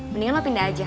mendingan lo pindah aja